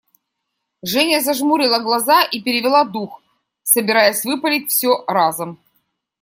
Женя зажмурила глаза и перевела дух, собираясь выпалить все разом.